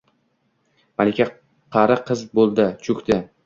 Malika qari qiz bo‘ldi, cho‘kdi…